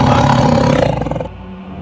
maka aku tidak bisa menjelaskan